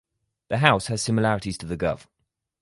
The house has similarities to the Gov.